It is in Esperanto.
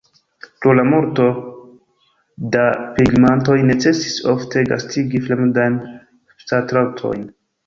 Pro la multo da pilgrimantoj necesis ofte gastigi fremdajn pstastrojn.